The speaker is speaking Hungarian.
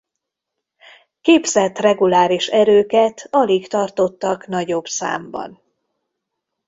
Képzett reguláris erőket alig tartottak nagyobb számban.